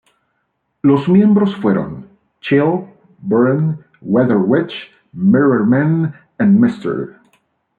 Los miembros fueron: Chill, Burn, Weather Witch, Mirror-Man, and Mr.